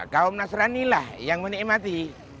kaum nasrani lah yang menikmati